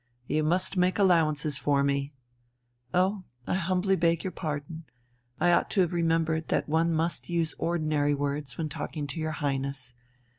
You must make allowances for me." "Oh, I humbly beg pardon. I ought to have remembered that one must use ordinary words when talking to your Highness.